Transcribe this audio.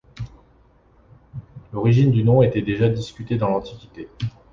L’origine du nom était déjà discutée dans l’antiquité.